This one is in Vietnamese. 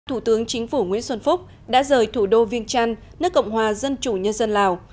thủ tướng chính phủ nguyễn xuân phúc đã rời thủ đô viên trăn nước cộng hòa dân chủ nhân dân lào